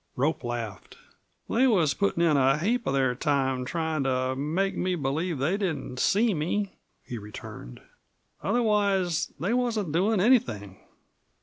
Rope laughed. "They was puttin' in a heap of their time tryin' to make me believe they didn't see me," he returned. "Otherwise they wasn't doin' anything."